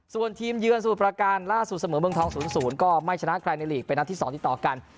ส่วนทีมเยือนสูตรประการล่าสูตรเสมอเมืองท้องศูนย์ศูนย์ก็ไม่ชนะใครในลีกเป็นนับที่สองที่ต่อกัน